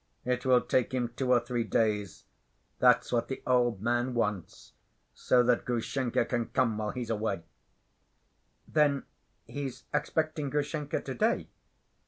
It will take him two or three days. That's what the old man wants, so that Grushenka can come while he's away." "Then he's expecting Grushenka to‐day?"